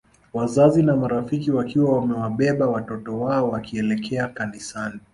Wazazi na marafiki wakiwa wamewabeba watoto wao wakielekea Kanisani